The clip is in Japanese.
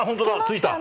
ついた！